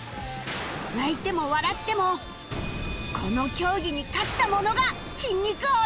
泣いても笑ってもこの競技に勝った者が筋肉王となる！